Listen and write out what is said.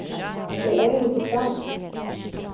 Det är inte sant.